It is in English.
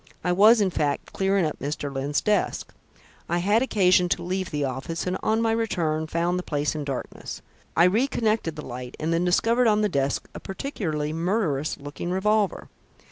I was, in fact, clearing up Mr. Lyne's desk. I had occasion to leave the office, and on my return found the place in darkness. I re connected the light, and then discovered on the desk a particularly murderous looking revolver.